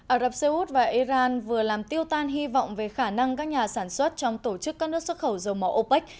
ả rập xê út và iran vừa làm tiêu tan hy vọng về khả năng các nhà sản xuất trong tổ chức các nước xuất khẩu dầu mỏ opec